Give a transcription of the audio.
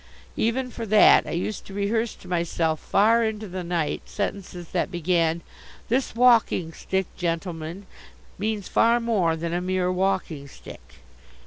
Even for that I used to rehearse to myself far into the night sentences that began: "This walking stick, gentleman, means far more than a mere walking stick."